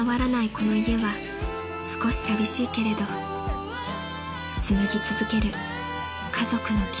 この家は少し寂しいけれどつむぎ続ける家族の記憶］